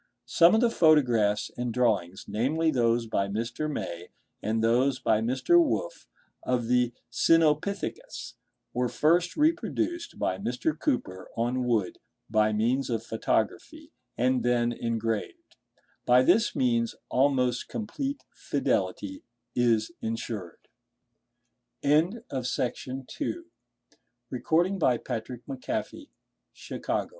Some of the photographs and drawings, namely, those by Mr. May, and those by Mr. Wolf of the Cynopithecus, were first reproduced by Mr. Cooper on wood by means of photography, and then engraved: by this means almost complete fidelity is ensured. CHAPTER I. GENERAL PRINCIPLES OF EXPRESSION.